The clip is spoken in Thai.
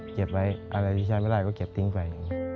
เก็บไว้อะไรที่ใช้ไม่ได้ก็เก็บทิ้งไป